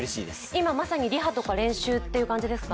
今、まさにリハとか練習っていう感じですか？